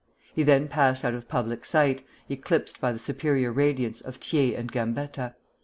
He then passed out of public sight, eclipsed by the superior radiance of Thiers and Gambetta.